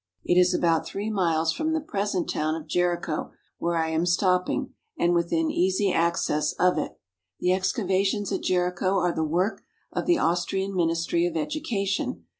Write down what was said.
It is about three miles from the present town of Jericho, where I am stopping, and within easy access of it. The excavations at Jericho are the work of the Aus trian Ministry of Education.